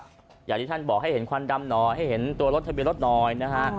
อย่างที่ท่านบอกให้เห็นควันดำหน่อยให้เห็นตัวรถทะเบียรถหน่อยนะฮะ